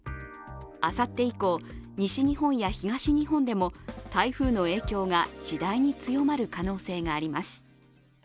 あさって以降西日本や東日本でも台風の影響が次第に強まる可能性があります。